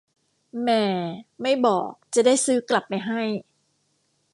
แหม่ ไม่บอก จะได้ซื้อกลับไปให้